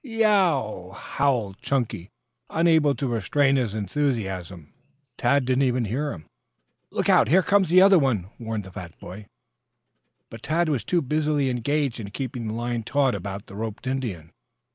"Ye ow!" howled Chunky; unable to restrain his enthusiasm. Tad did not even hear him. "Look out! Here comes the other one!" warned the fat boy. But Tad was too busily engaged in keeping the line taut about the roped Indian.